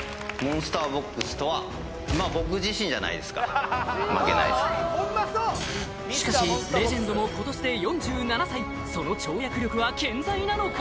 まあ僕自身じゃないですか負けないですねしかしレジェンドも今年で４７歳その跳躍力は健在なのか？